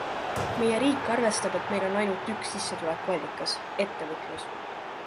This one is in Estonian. Meie riik arvestab, et meil on ainult üks sissetulekuallikas - ettevõtlus.